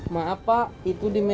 maaf pak itu di meja